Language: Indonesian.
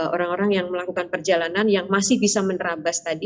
orang orang yang melakukan perjalanan yang masih bisa menerabas tadi